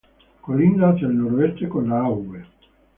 Colinda hacia el noroeste con la Av.